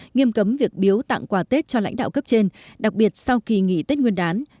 nghiêm cấm việc biếu tặng quà tết cho lãnh đạo cấp trên đặc biệt sau kỳ nghỉ tết nguyên đán